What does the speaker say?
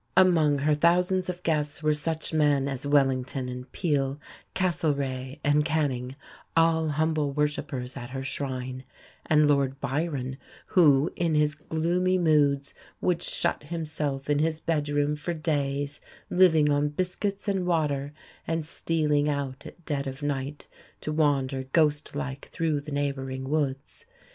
Among her thousands of guests were such men as Wellington and Peel, Castlereagh and Canning, all humble worshippers at her shrine; and Lord Byron who, in his gloomy moods, would shut himself in his bedroom for days, living on biscuits and water, and stealing out at dead of night to wander ghost like through the neighbouring woods.